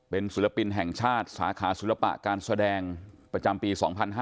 เป็นศิลปินแห่งชาติสาขาศิลปะการแสดงประจำปี๒๕๕๙